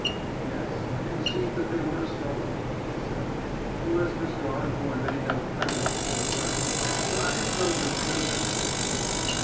"Yes, I conceive that they were stolen," she said "unless Mr. Osborne made them a present to some friend, for I have known him to do that."